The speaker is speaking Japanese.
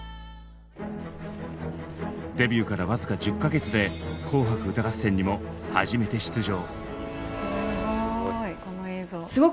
デビューからわずか１０か月で「紅白歌合戦」にも初めて出場。